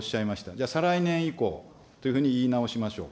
じゃあ、再来年以降というふうに言い直しましょう。